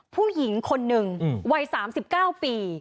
ผู้หญิงคนหนึ่งวัยสามสิบเก้าปี